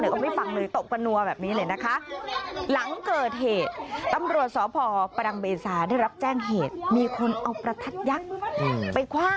เอาไม่ฟังเลยตบกันนัวแบบนี้เลยนะคะ